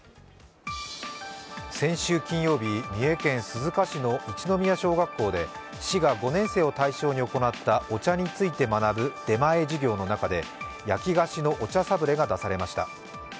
先週金曜日、三重県鈴鹿市の一ノ宮小学校で市が５年生を対象に行ったお茶について学ぶ出前授業の中で焼き菓子のお茶サブレが出されました。